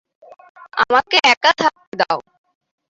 আমাকে একা থাকতে দাও।